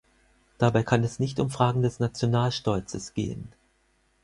Dabei kann es nicht um Fragen des Nationalstolzes gehen.